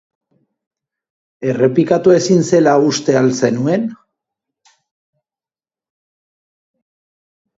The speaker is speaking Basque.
Errepikatu ezin zela uste al zenuen?